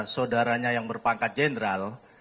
saudaranya yang berpangkat jenderal